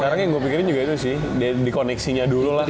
sekarang yang gue pikirin juga itu sih di koneksinya dulu lah